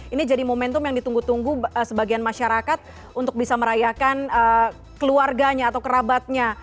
ini jadi momentum yang ditunggu tunggu sebagian masyarakat untuk bisa merayakan keluarganya atau kerabatnya